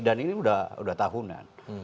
dan ini sudah tahunan